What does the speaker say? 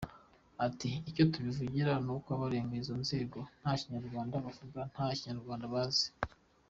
Ati“Icyo tubivugira ni uko abarenga izo nzego nta Kinyarwanda bavuga, nta Kinyarwanda bazi.